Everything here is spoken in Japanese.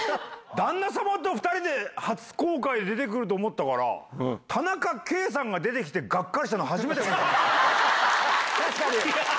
旦那様と２人で初公開で出てくると思ったから、田中圭さんが出てきて、がっかりしたの初めて確かに。